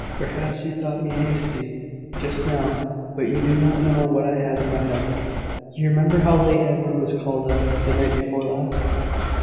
"Perhaps you thought me hasty just now; but you do not know what I had in my head. You remember how late Edward was called out, the night before last?"